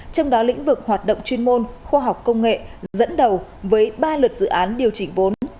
trong đó lĩnh vực hoạt động chuyên môn khoa học công nghệ dẫn đầu với ba lượt dự án điều chỉnh vốn